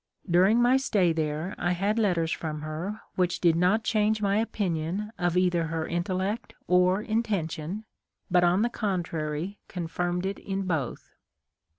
During my stay there I had letters from her which did not change my opinion of either her intellect or intention, but on the contrary confirmed it in both.